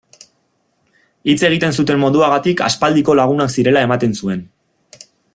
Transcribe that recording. Hitz egiten zuten moduagatik aspaldiko lagunak zirela ematen zuen.